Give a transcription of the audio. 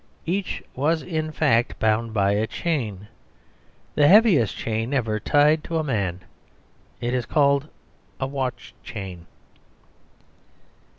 Each was, in fact, bound by a chain; the heaviest chain ever tied to a man it is called a watch chain.